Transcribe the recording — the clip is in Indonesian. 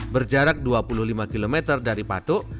berjarak dua puluh lima km dari patok